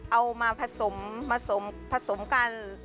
เอามาผสมกัน